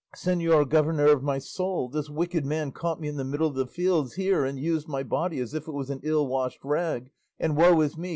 Señor governor of my soul, this wicked man caught me in the middle of the fields here and used my body as if it was an ill washed rag, and, woe is me!